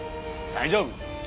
大丈夫。